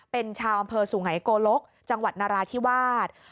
เป็นชาวอำเภอสุไงโกลกจังหวัดนราธิวาส